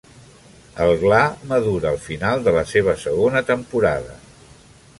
El gla madura al final de la seva segona temporada.